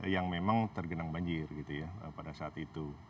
yang memang tergenang banjir gitu ya pada saat itu